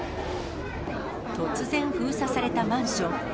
突然封鎖されたマンション。